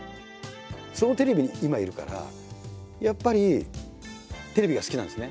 そのテレビに今いるからやっぱりテレビが好きなんですね。